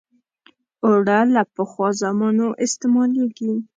اوړه له پخوا زمانو استعمالېږي